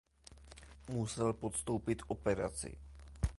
Musel podstoupit operaci.